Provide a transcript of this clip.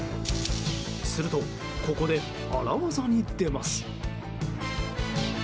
すると、ここで荒業に出ます。